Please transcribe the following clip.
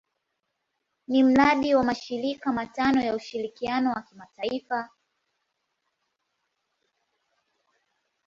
Ni mradi wa mashirika matano ya ushirikiano wa kimataifa.